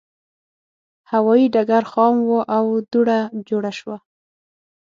هوایي ډګر خام و او دوړه جوړه شوه.